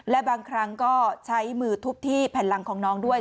และบางครั้งก็ใช้มือทุบที่แผ่นหลังของน้องด้วย